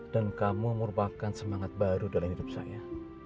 dan kamu merupakan semangat baru dalam hidup saya